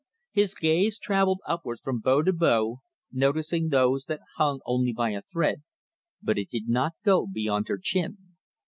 His gaze travelled upwards from bow to bow, noticing those that hung only by a thread, but it did not go beyond her chin.